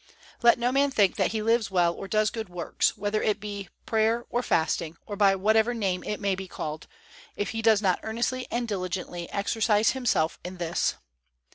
Let no man think that he lives well or does good works, whether it be prayer or fasting, or by whatever name it may be called, if he does not earnestly and diligently exercise himself in this.